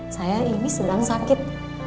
saya ini sedang sakit